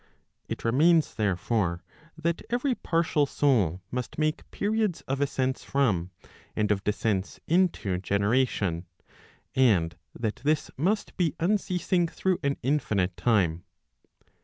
It remains, therefore, that every partial soul must make periods of ascents from, and of descents into generation, and that this must be unceasing through an infinite time.